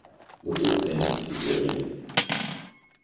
Otto Heinze était ruiné.